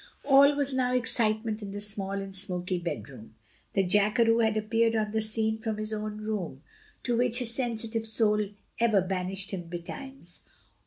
All was now excitement in the small and smoky bedroom. The jackeroo had appeared on the scene from his own room, to which his sensitive soul ever banished him betimes.